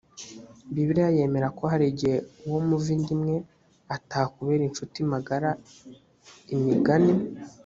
bibiliya yemera ko hari igihe uwo muva inda imwe atakubera incuti magara imigani